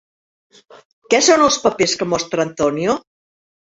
Què són els papers que mostra Antonio?